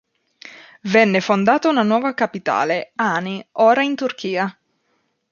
Venne fondata una nuova capitale, Ani, ora in Turchia.